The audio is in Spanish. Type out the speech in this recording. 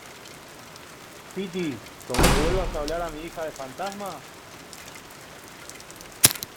piti, como le vuelvas a hablar a mi hija de fantasmas